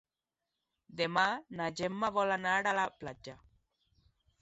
Demà na Gemma vol anar a la platja.